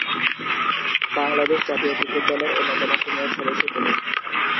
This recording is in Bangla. বাংলাদেশ জাতীয় ক্রিকেট দলের অন্যতম সিনিয়র সদস্য তিনি।